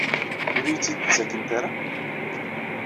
Ur iyi-tt-id-ttakent ara?